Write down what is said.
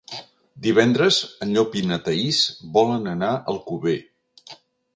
Divendres en Llop i na Thaís volen anar a Alcover.